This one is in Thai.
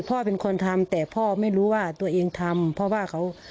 พ่อเป็นคนทำแต่พ่อไม่รู้ว่าตัวเองทำเพราะว่าเขา